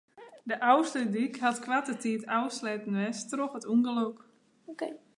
De Ofslútdyk hat koarte tiid ôfsletten west troch it ûngelok.